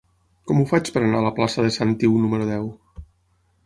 Com ho faig per anar a la plaça de Sant Iu número deu?